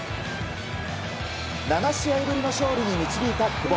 ７試合ぶりの勝利にいた久保。